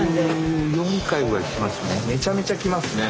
めちゃめちゃ来ますね。